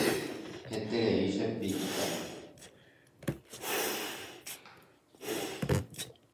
Heterei che pizza.